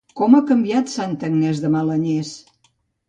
Com ha canviat Santa Agnès de Malanyanes!